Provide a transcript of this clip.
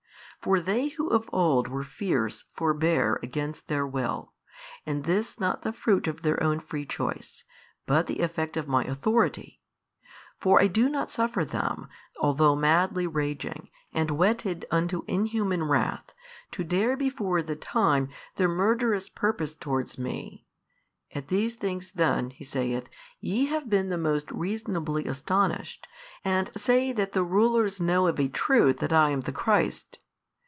For they who of old were fierce forbear against their will, and this not the fruit of their own free choice, but the effect of My Authority. For I do not suffer them, although madly raging, and whetted unto inhuman wrath, to dare before the time their murderous purpose towards Me. At these things then (He saith) ye have been most reasonably astonished, and say that the rulers know of a truth that I am the Christ.